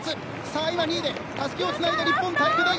今２位でたすきをつないだ日本体育大学。